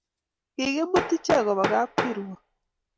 Kikimut ichek koba kapkirwok